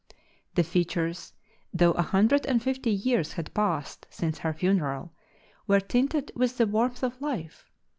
The features, though a hundred and fifty years had passed since her funeral, were tinted with the warmth of life.